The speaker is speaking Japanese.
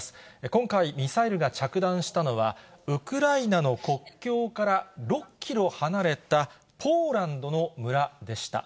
今回、ミサイルが着弾したのはウクライナの国境から６キロ離れたポーランドの村でした。